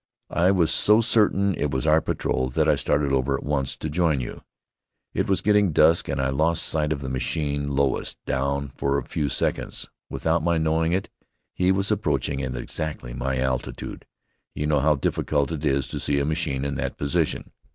I was so certain it was our patrol that I started over at once, to join you. It was getting dusk and I lost sight of the machine lowest down for a few seconds. Without my knowing it, he was approaching at exactly my altitude. You know how difficult it is to see a machine in that position.